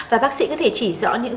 và bác sĩ có thể chỉ rõ những